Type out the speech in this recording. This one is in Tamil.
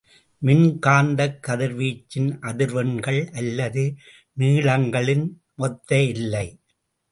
மின் காந்தக் கதிர்வீச்சின் அதிர்வெண்கள் அல்லது நீளங்களின் மொத்த எல்லை.